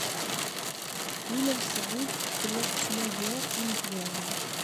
Lila u Saɛid tella tettmagar inebgawen.